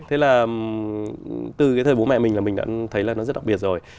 thế là từ cái thời bố mẹ mình là mình đã thấy là nó rất đặc biệt rồi